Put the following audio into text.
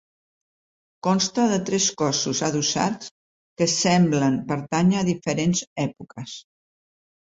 Consta de tres cossos adossats que semblen pertànyer a diferents èpoques.